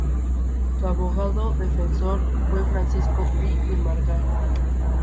Su abogado defensor fue Francisco Pi y Margall.